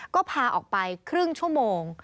ก็พาออกไปครึ่งชั่วโมง